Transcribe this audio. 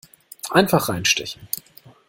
Einfach reinstechen!